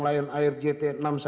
lion air jt enam ratus sepuluh